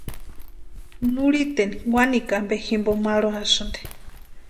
Nurhiteni wanikwa ampe jimpo marhuasïnti.